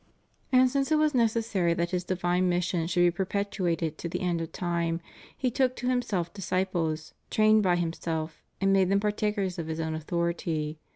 And since it was necessary that His divine mission should be prepetuated to the end of time. He took to Himself disciples, trained by Himself, and made them partakers of His own authority.